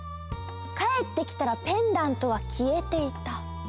かえってきたらペンダントはきえていた。